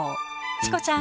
チコちゃん